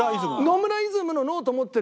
野村イズムのノート持ってる人